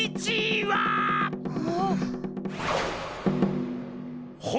はあ。